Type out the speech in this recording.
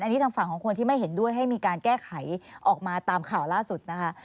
อันนี้ทางฝั่งของคนที่ไม่เห็นด้วยให้มีการแก้ไขออกมาตามข่าวล่าสุดนะคะ